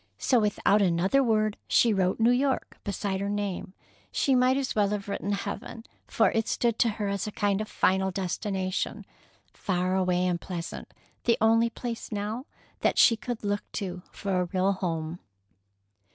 So, without another word, she wrote "New York" beside her name. She might as well have written "Heaven," for it stood to her as a kind of final destination, far away and pleasant, the only place now that she could look to for a real home.